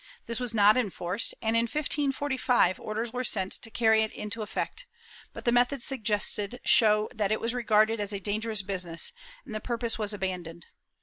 This was not enforced and, in 1545, orders were sent to carry it into effect, but the methods suggested show that it was regarded as a dangerous business, and the purpose was abandoned.